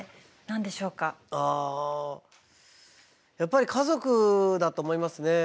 やっぱり家族だと思いますね。